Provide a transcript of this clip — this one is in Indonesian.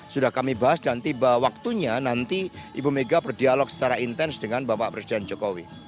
sudah kami bahas dan tiba waktunya nanti ibu mega berdialog secara intens dengan bapak presiden jokowi